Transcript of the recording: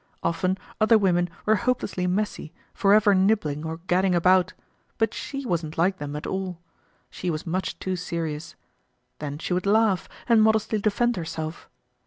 Often other women were hopelessly messy, forever nibbling or gadding about, but she wasn't like them at all. She was much too serious. Then she would laugh, and modestly defend herself.